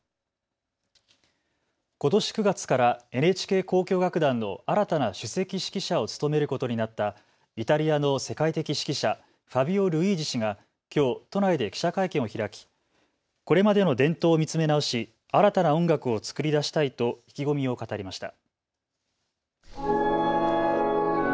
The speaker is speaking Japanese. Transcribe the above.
ことし９月からＮＨＫ交響楽団の新たな首席指揮者を務めることになったイタリアの世界的指揮者、ファビオ・ルイージ氏がきょう都内で記者会見を開き、これまでの伝統を見つめ直し新たな音楽を作り出したいと意気込みを語りました。